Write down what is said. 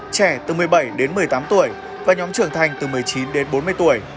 trẻ từ một mươi bảy đến một mươi tám tuổi và nhóm trưởng thành từ một mươi chín đến bốn mươi tuổi